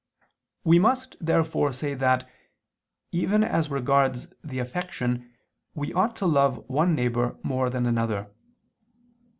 We must, therefore, say that, even as regards the affection we ought to love one neighbor more than another.